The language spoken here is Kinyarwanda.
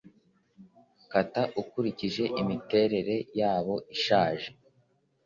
Kata ukurikije imiterere yabo ishaje